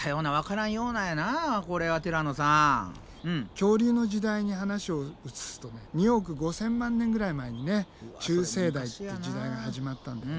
恐竜の時代に話を移すとね２億５，０００万年ぐらい前にね中生代っていう時代が始まったんだよね。